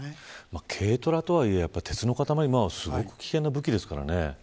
軽トラとはいえ鉄のかたまりですごく危険な武器ですからね。